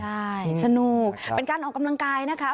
ใช่สนุกเป็นการออกกำลังกายนะคะ